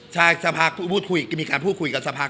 ใช่เสียบหากมีการพูดคุยกับเสียบหาก